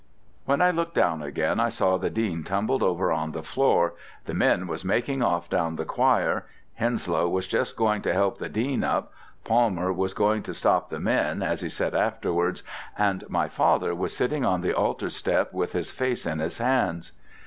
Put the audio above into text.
"When I looked down again I saw the Dean tumbled over on the floor, the men was making off down the choir, Henslow was just going to help the Dean up, Palmer was going to stop the men, as he said afterwards, and my father was sitting on the altar step with his face in his hands.